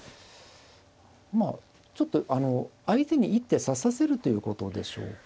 まあちょっと相手に一手指させるということでしょうか。